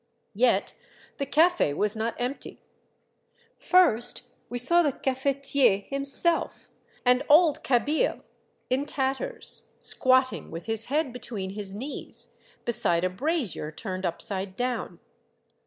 Yet the cafe was not empty. First we saw the cafetier himself, an old Kabyle, in tatters, squatting with his head between his knees, beside a brazier turned upside down.